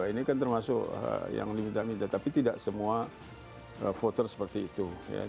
ini kan termasuk yang limitamita tapi tidak semua foter seperti itu